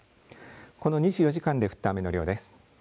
この２４時間で降った雨の量です。